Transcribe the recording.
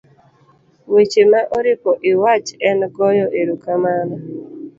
weche ma oripo iwach en goyo erokamano,